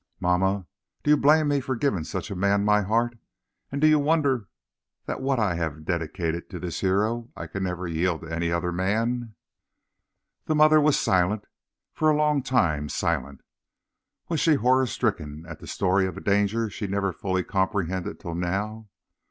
"Mamma, do you blame me for giving such a man my heart, and do you wonder that what I have dedicated to this hero I can never yield to any other man?" The mother was silent for a long time silent. Was she horror stricken at the story of a danger she had never fully comprehended till now?